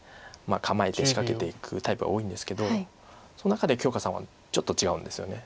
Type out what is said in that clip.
構えて仕掛けていくタイプが多いんですけどその中で許さんはちょっと違うんですよね。